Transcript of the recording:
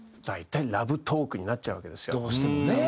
大体ラブトークになっちゃうわけですよ。